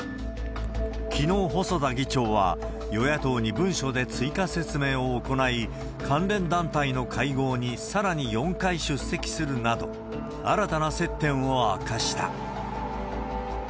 きのう、細田議長は与野党に文書で追加説明を行い、関連団体の会合にさらに４回出席するなど、新たな接点を明かした。